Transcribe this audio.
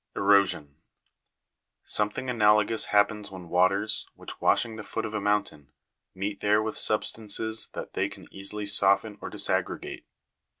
Erosion. Something analogous happens when waters, which washing the foot of a mountain, meet there with substances that they can easily soften or disaggregate.